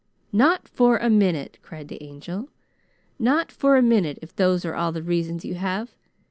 "Not for a minute!" cried the Angel. "Not for a minute, if those are all the reasons you have.